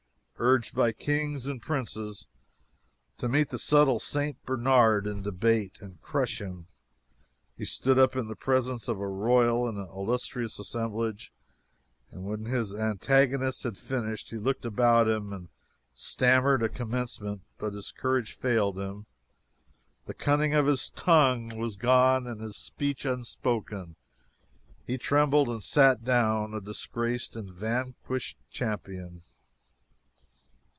Urged by kings and princes to meet the subtle St. Bernard in debate and crush him, he stood up in the presence of a royal and illustrious assemblage, and when his antagonist had finished he looked about him and stammered a commencement; but his courage failed him, the cunning of his tongue was gone: with his speech unspoken, he trembled and sat down, a disgraced and vanquished champion.